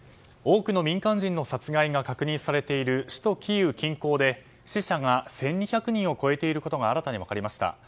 多くの民間人の殺人が確認されている首都キーウ近郊で死者が１２００人を超えていることが新たに分かりました。